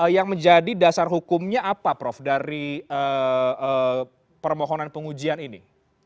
yang menjadi dasar hukumnya apa prof dari permohonan pengujian ini